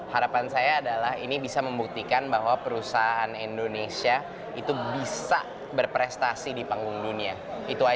harapan saya adalah ini bisa membuktikan bahwa perusahaan indonesia itu bisa berprestasi di panggung dunia